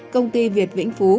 công ty việt vĩnh phú